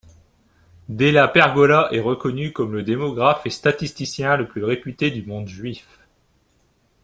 DellaPergola est reconnu comme le démographe et statisticien le plus réputé du monde juif.